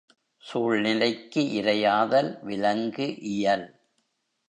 சூழ்நிலைக்கு இரையாதல் விலங்கு இயல்.